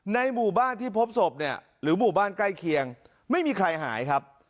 ในหมู่บ้านที่พบศพเนี่ยหรือหมู่บ้านใกล้เคียงไม่มีใครหายครับ